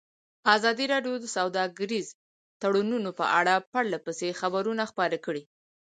ازادي راډیو د سوداګریز تړونونه په اړه پرله پسې خبرونه خپاره کړي.